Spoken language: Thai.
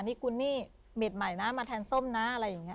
นี่คุณนี่เม็ดใหม่นะมาแทนส้มนะอะไรอย่างนี้